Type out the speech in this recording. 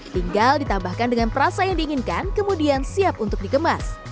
tinggal ditambahkan dengan perasa yang diinginkan kemudian siap untuk dikemas